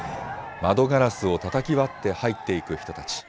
窓ガラスをたたき割って入っていく人たち。